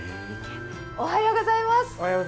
おはようございます。